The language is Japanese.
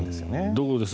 どうです？